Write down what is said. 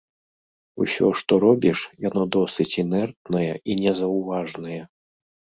Усё што робіш, яно досыць інэртнае і незаўважнае.